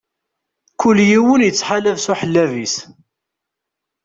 Kul yiwen ittḥalab s uḥellab-is.